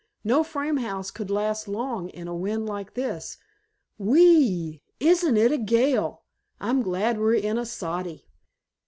"No frame house could last long in a wind like this. Whee ee, isn't it a gale! I'm glad we're in a soddy."